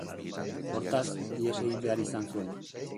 Hortaz, ihes egin behar izan zuen.